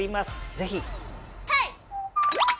ぜひ。